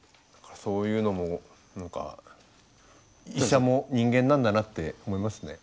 そういうのも何か医者も人間なんだなって思いますね。